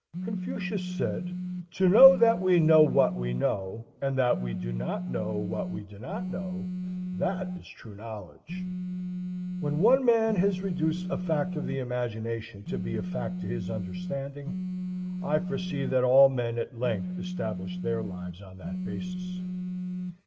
Confucius said, "To know that we know what we know, and that we do not know what we do not know, that is true knowledge." When one man has reduced a fact of the imagination to be a fact to his understanding, I foresee that all men at length establish their lives on that basis.